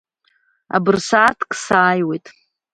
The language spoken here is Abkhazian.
Абырсааҭк сааиуеит!